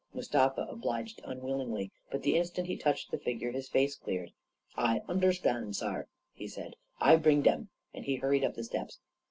Mustafa obliged unwillingly, but the instant he touched the figure his face cleared. 44 1 understand, saar," he said. " I bring dem," and he hurried up the steps.